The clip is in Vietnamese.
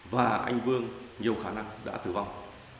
và anh vương nhiều khả năng đã tử vong